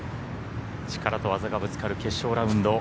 力と技がぶつかる決勝ラウンド。